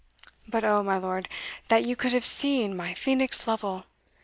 But O, my lord, that you could have seen my phoenix Lovel!